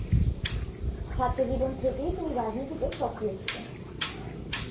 ছাত্রজীবন থেকেই তিনি রাজনীতিতে সক্রিয় ছিলেন।